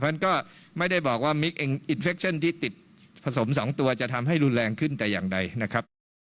เพราะฉะนั้นก็ไม่ได้บอกว่ามิกเองอินเฟคชั่นที่ติดผสม๒ตัวจะทำให้รุนแรงขึ้นแต่อย่างใดนะครับ